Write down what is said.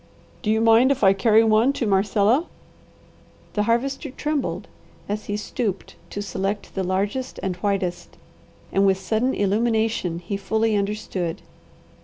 "Do you mind if I carry one to Marcella?" The Harvester trembled as he stooped to select the largest and whitest, and with sudden illumination, he fully understood.